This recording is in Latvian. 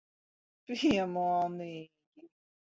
Piemānīji.